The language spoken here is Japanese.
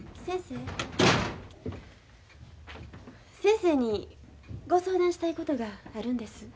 先生にご相談したいことがあるんです。